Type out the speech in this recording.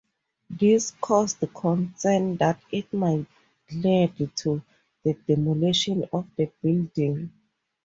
This caused concern that it might lead to the demolition of the building.